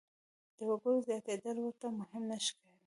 د وګړو زیاتېدل ورته مهم نه ښکاري.